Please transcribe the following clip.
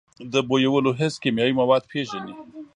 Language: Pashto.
د بویولو حس کیمیاوي مواد پېژني.